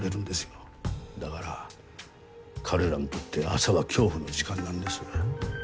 だから彼らにとって朝は恐怖の時間なんです。